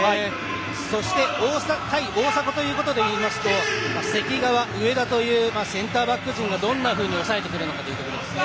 そして対大迫でいいますと関川、植田というセンターバック陣がどんなふうに抑えてくるのかというところです。